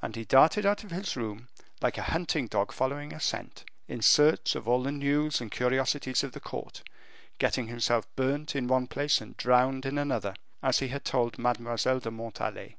And he darted out of his room, like a hunting dog following a scent, in search of all the news and curiosities of the court, getting himself burnt in one place and drowned in another, as he had told Mademoiselle de Montalais.